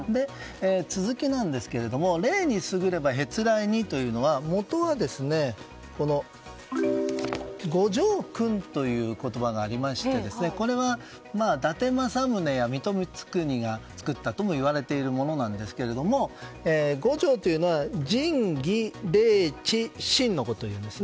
続きなんですけれども「礼に過ぐればへつらいに」というのはもとは五常訓という言葉がありましてこれは、伊達政宗や水戸光圀が作ったともいわれているものなんですけど五常というのは「仁義礼智信」のことをいいます。